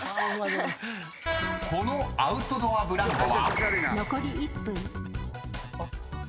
［このアウトドアブランドは？］